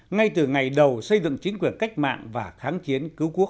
ngay từ ngày đầu xây dựng chính quyền cách mạng và kháng chiến cứu quốc